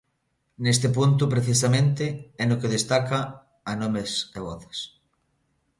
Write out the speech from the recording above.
Neste punto, precisamente, é no que destaca a Nomes e Voces.